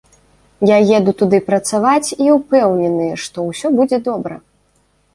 Я еду туды працаваць і ўпэўнены, што ўсё будзе добра!